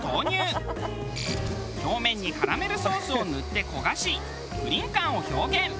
表面にカラメルソースを塗って焦がしプリン感を表現。